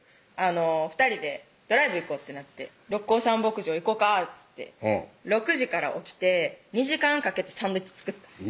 ２人でドライブ行こうってなって「六甲山牧場行こか」っつって６時から起きて２時間かけてサンドイッチ作ったんです